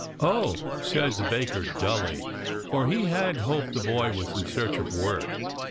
"Oh," said the baker dully, for he had hoped the boy was in search of work.